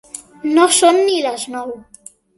No són ni les nou.